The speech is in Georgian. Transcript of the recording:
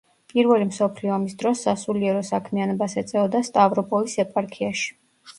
პირველი მსოფლიო ომის დროს სასულიერო საქმიანობას ეწეოდა სტავროპოლის ეპარქიაში.